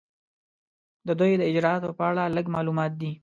د دوی د اجرااتو په اړه لږ معلومات دي.